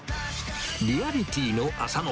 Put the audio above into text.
リアリティーの浅野。